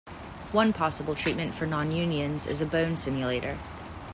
One possible treatment for nonunions is a bone simulator.